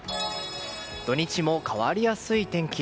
土日も変わりやすい天気。